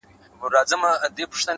وړی يې له ځان سره په پور دی لمبې کوي’